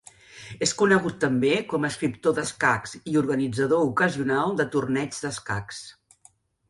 És conegut també com a escriptor d'escacs i organitzador ocasional de torneigs d'escacs.